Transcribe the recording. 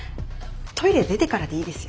トイレ出てからでいいですよ。